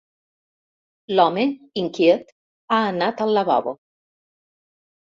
L'home, inquiet, ha anat al lavabo.